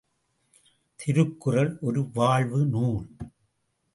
திருக்குறள் ஒரு வாழ்வு நூல்.